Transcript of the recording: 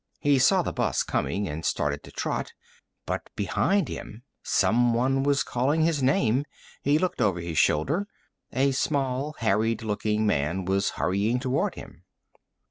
He saw the bus coming and started to trot. But behind him, someone was calling his name. He looked over his shoulder; a small harried looking man was hurrying toward him.